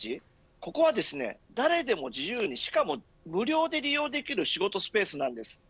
ここは誰でも自由にしかも無料で利用できる仕事スペースなんです。